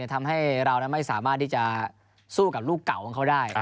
ทำให้เราไม่สามารถที่จะสู้กับลูกเก่าของเขาได้